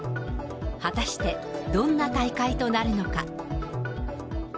果たして、どんな大会となるのか。